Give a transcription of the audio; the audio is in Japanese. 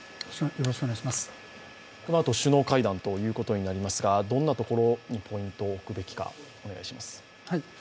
このあと首脳会談ということになりますがどんなところにポイントを置くべきかお願いします。